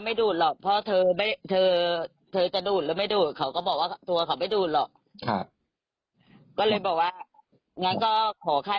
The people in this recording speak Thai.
พูดกันดีไม่ได้ทะเลาะกันด้วยนะพี่